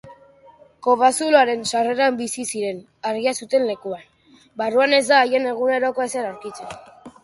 Kobazuloaren sarreran bizi ziren, argia zuten lekuan; barruan ez da haien eguneroko ezer aurkitzen.